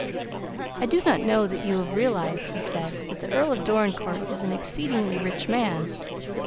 "I do not know that you have realized," he said, "that the Earl of Dorincourt is an exceedingly rich man.